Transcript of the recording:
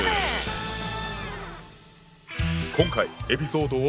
今回エピソードを。